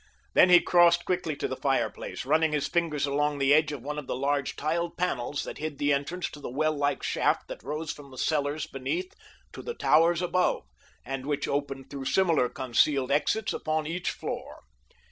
Then he crossed quickly to the fireplace, running his fingers along the edge of one of the large tiled panels that hid the entrance to the well like shaft that rose from the cellars beneath to the towers above and which opened through similar concealed exits upon each floor.